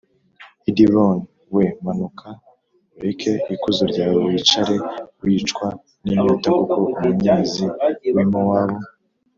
i Dibonil we manuka ureke ikuzo ryawe wicare wicwa n inyota kuko umunyazi w i Mowabu